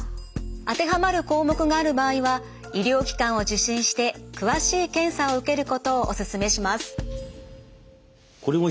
当てはまる項目がある場合は医療機関を受診して詳しい検査を受けることをお勧めします。